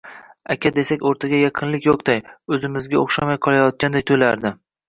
Aka desak, o`rtada yaqinlik yo`qday, o`zimizga o`xshamay qolayotganday tuyulardi